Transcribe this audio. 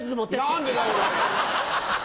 何でだよ。